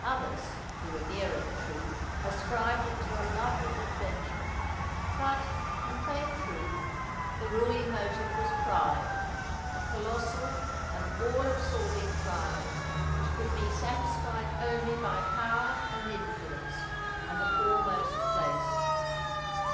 Others, who were nearer the truth, ascribed it to a love of adventure. But, in plain truth, the ruling motive was pride, a colossal, an all absorbing pride, which could be satisfied only by power and influence, and a foremost place.